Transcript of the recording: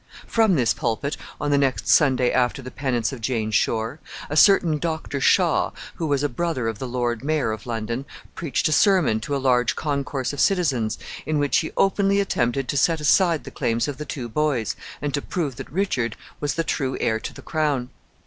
From this pulpit, on the next Sunday after the penance of Jane Shore, a certain Dr. Shaw, who was a brother of the Lord mayor of London, preached a sermon to a large concourse of citizens, in which he openly attempted to set aside the claims of the two boys, and to prove that Richard was the true heir to the crown.